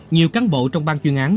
nhiều cán bộ trong băng chuyên án